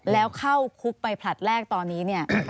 แล้วเข้าคุกไปผลัดแรกตอนนี้เนี่ย